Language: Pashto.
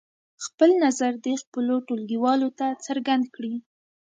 خپل نظر دې خپلو ټولګیوالو ته څرګند کړي.